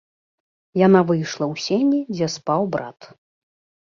Яна выйшла ў сені, дзе спаў брат.